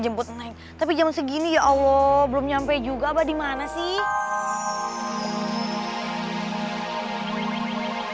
jemput naik tapi jangan segini ya allah belum nyampe juga di mana sih